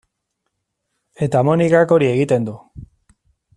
Eta Monikak hori egiten du.